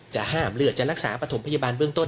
จะห้ามเลือดจะเฉินประถมพยาบาลเบื้องต้น